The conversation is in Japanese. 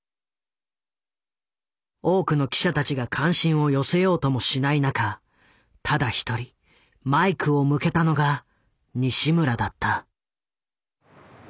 多くの記者たちが関心を寄せようともしない中ただ一人マイクを向けたのが西村だった。